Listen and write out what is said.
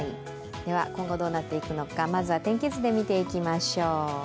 今後どうなっていくのか天気図で見ていきましょう。